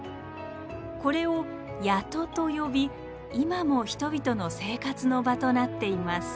これを「谷戸」と呼び今も人々の生活の場となっています。